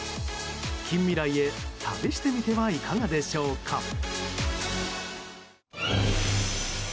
近未来へ旅してみてはいかがでしょうか。